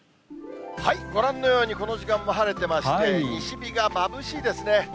ご覧のように、この時間も晴れてまして、西日がまぶしいですね。